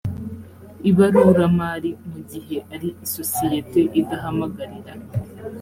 ibaruramari mu gihe ari isosiyete idahamagarira